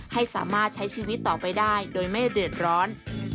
ให้สามารถใช้ชีวิตต่อไปได้โดยไม่เดือดร้อน